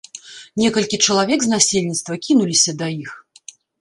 Некалькі чалавек з насельніцтва кінуліся да іх.